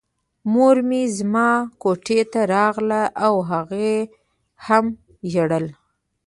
مور مې زما کوټې ته راغله او هغې هم ژړل